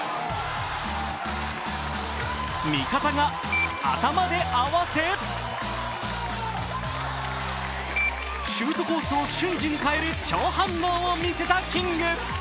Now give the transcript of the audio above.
味方が頭で合わせシュートコースを瞬時に変える超反応を見せたキング。